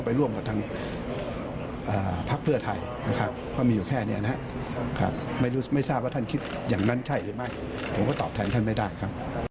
ภักดิ์เพื่อไทยภักดิ์ประชาธิบัตร